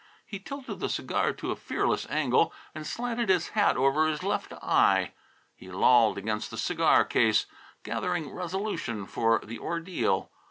He tilted the cigar to a fearless angle and slanted his hat over his left eye. He lolled against the cigar case, gathering resolution for the ordeal.